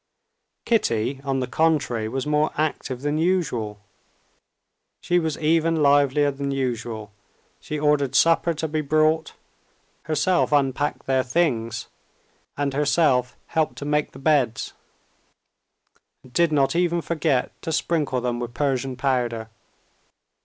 Kitty, on the contrary, was more active than usual. She was even livelier than usual. She ordered supper to be brought, herself unpacked their things, and herself helped to make the beds, and did not even forget to sprinkle them with Persian powder.